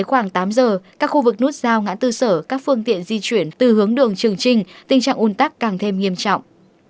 ở các phương tiện di chuyển từ hướng đường trường trinh tình trạng ùn tắc càng thêm nghiêm trọng